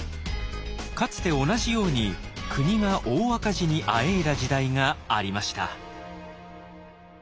かつて同じように国が大赤字にあえいだ時代がありました。